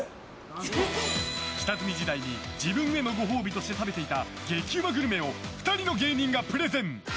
下積み時代に自分へのご褒美として食べていた激うまグルメを２人の芸人がプレゼン！